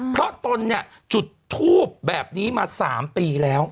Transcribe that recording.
เพราะตนเนี่ยจุดทูบแบบนี้มา๓ปีแล้ว